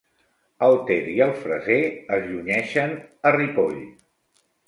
El Ter i el Freser es junyeixen a Ripoll.